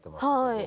はい。